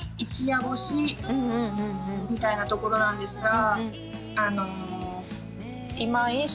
合ってる？みたいなところなんですが。